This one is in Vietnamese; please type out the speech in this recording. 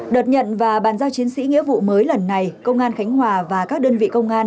đợt nhận và bàn giao chiến sĩ nghĩa vụ mới lần này công an khánh hòa và các đơn vị công an